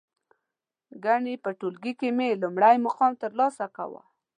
گني په ټولگي کې مې لومړی مقام ترلاسه کاوه.